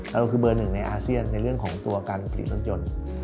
เราคือเบอร์หนึ่งในอาเซียนในเรื่องของตัวการผลิตรถยนต์